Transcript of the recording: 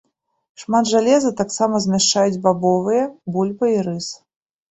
Шмат жалеза таксама змяшчаюць бабовыя, бульба і рыс.